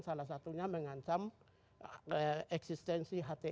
salah satunya mengancam eksistensi hti